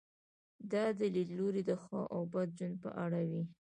دا لیدلوری د ښه او بد ژوند په اړه وي.